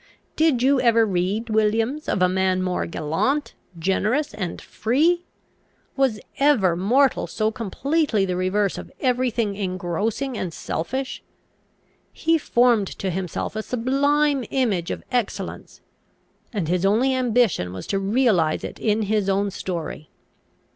Did you ever read, Williams, of a man more gallant, generous, and free? Was ever mortal so completely the reverse of every thing engrossing and selfish? He formed to himself a sublime image of excellence, and his only ambition was to realise it in his own story.